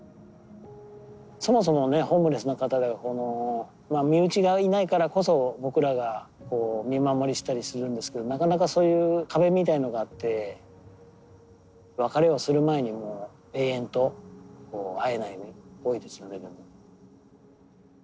そもそもねホームレスの方でこの身内がいないからこそ僕らが見守りしたりするんですけどなかなかそういう壁みたいのがあって別れをする前にもう永遠と会えないことが多いですよね。